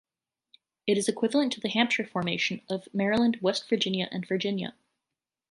It is equivalent to the Hampshire Formation of Maryland, West Virginia, and Virginia.